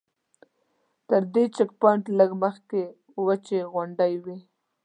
تر دې چیک پواینټ لږ مخکې وچې غونډۍ وې.